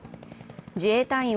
自衛隊員